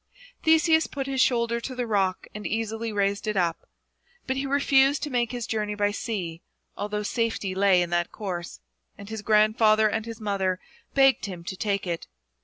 Theseus put his shoulder to the rock and easily raised it up, but he refused to make his journey by sea, although safety lay in that course, and his grandfather and his mother begged him to take it.